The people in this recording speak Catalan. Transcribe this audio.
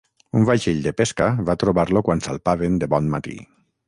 Un vaixell de pesca va trobar-lo quan salpaven de bon matí.